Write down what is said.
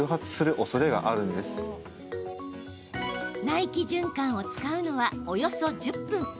内気循環を使うのはおよそ１０分。